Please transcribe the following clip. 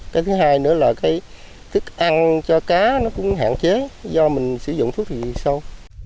cái thứ hai nữa là cái thức ăn cho cá nó cũng hạn chế do mình sử dụng thuốc thì sâu